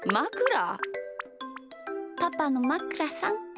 パパのまくらさん